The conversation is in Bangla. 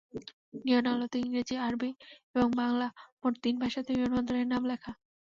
নিয়ন আলোতে ইংরেজি, আরবি এবং বাংলা—মোট তিন ভাষাতে বিমানবন্দরের নাম লেখা।